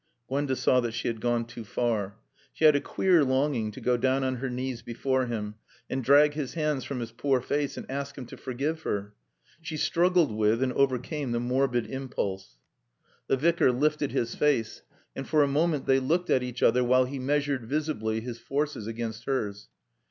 Gwenda saw that she had gone too far. She had a queer longing to go down on her knees before him and drag his hands from his poor face and ask him to forgive her. She struggled with and overcame the morbid impulse. The Vicar lifted his face, and for a moment they looked at each other while he measured, visibly, his forces against hers.